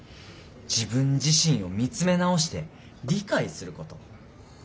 自分自身を見つめ直して理解すること。